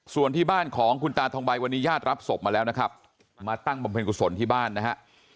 ส่วนที่บ้านของคุณตาทองใบวันนี้ญาติรับศพมาแล้วนะครับมาตั้งบำเพ็ญกุศลที่บ้านนะฮะ